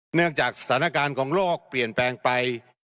เนื่องจากสถานการณ์ของโลกเปลี่ยนแปลงไป